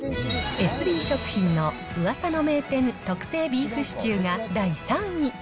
エスビー食品の噂の名店特製ビーフシチューが第３位。